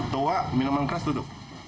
tuak minuman keras tutup